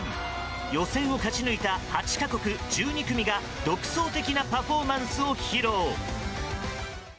予選を勝ち抜いた８か国１２組が独創的なパフォーマンスを披露。